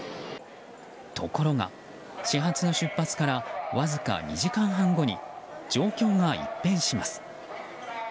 ところが始発の出発からわずか２時間半後に状況が一変します。